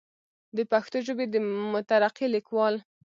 دَ پښتو ژبې مترقي ليکوال